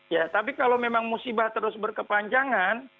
ya tapi kalau memang musibah terus berkepanjangan